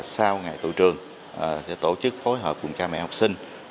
sau ngày tụi trường sẽ tổ chức phối hợp cùng cha mẹ học sinh